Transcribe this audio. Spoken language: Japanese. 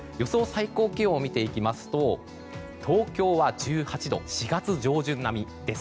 最高気温を見ていきますと東京は１８度と４月上旬並みです。